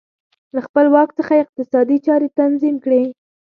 له خپل واک څخه یې اقتصادي چارې تنظیم کړې